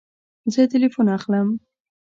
زه تلیفون اخلم